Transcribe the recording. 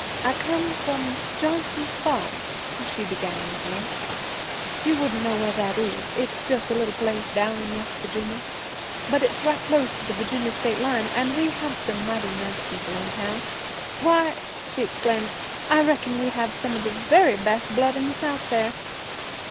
'I come from Johnson's Falls,' she began at length. 'You wouldn't know where that is. It's just a little place down in West Virginia, but it's right close to the Virginia state line, and we have some mighty nice people in town. Why,' she exclaimed, 'I reckon we have some of the very best blood in the South there!